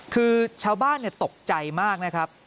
คือชาวบ้านตกใจมากนะครับ